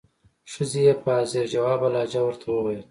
ښځې یې په حاضر جوابه لهجه ورته وویل.